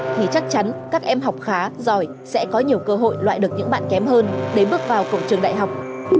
thì chắc chắn các em học khá giỏi sẽ có nhiều cơ hội loại được những bạn kém hơn để bước vào cổng trường đại học